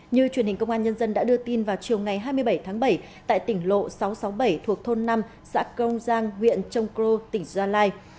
như truyền hình công an nhân dân đã đưa tin vào chiều ngày hai mươi bảy tháng bảy tại tỉnh lộ sáu trăm sáu mươi bảy thuộc thôn năm xã công giang huyện trông cro tỉnh gia lai